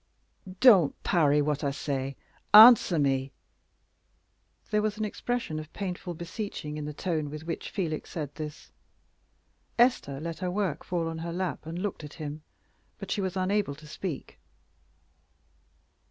"Don't parry what I say. Answer me." There was an expression of painful beseeching in the tone with which Felix said this. Esther let her work fall on her lap and looked at him, but she was unable to speak.